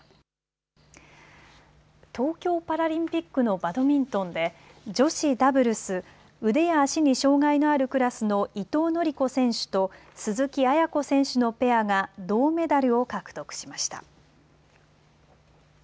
東京パラリンピックのバドミントンで女子ダブルス、腕や足に障害のあるクラスの伊藤則子選手と鈴木亜弥子選手のペアが銅メダルを獲得しました。